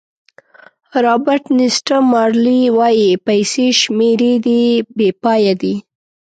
رابرټ نیسټه مارلې وایي پیسې شمېرې دي بې پایه دي.